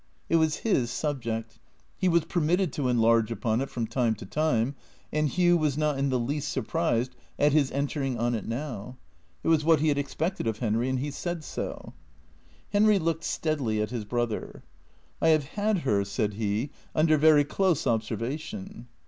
It was his subject. He was permitted to enlarge upon it from time to time, and Hugh was not in the least surprised at his entering on it now. It was what he had expected of Henry, and he said so, Henry looked steadily at his brother. "I have had her," said he, "under very close observation."